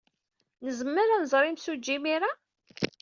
Nezmer ad nẓer imsujji imir-a?